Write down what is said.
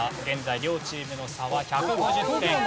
現在両チームの差は１５０点。